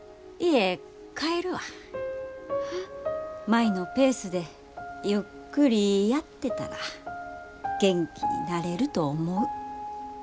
舞のペースでゆっくりやってたら元気になれると思う。